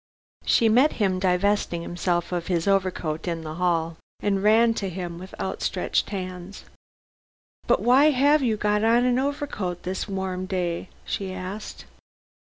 She met him divesting himself of his overcoat in the hall, and ran to him with outstretched hands. "But why have you got on an overcoat this warm day?" she asked.